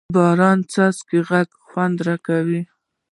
د باران څاڅکو غږ خوند راکړ.